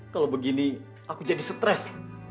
kalau begini aku jadi stres